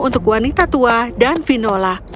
untuk wanita tua dan vinola